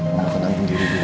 mama tenang sendiri dulu